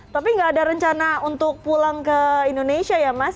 tapi nggak ada rencana untuk pulang ke indonesia ya mas